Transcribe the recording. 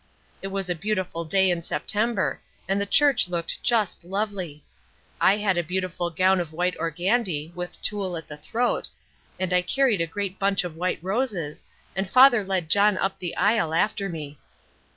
It was a beautiful day in September, and the church looked just lovely. I had a beautiful gown of white organdie with tulle at the throat, and I carried a great bunch of white roses, and Father led John up the aisle after me.